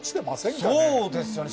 そうですよね。